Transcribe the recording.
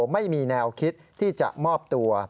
ไม่มีแนวคิดที่จะมอบตัว